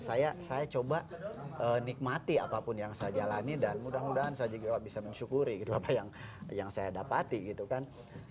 saya coba nikmati apapun yang saya jalani dan mudah mudahan saya juga bisa mensyukuri gitu apa yang saya dapati gitu kan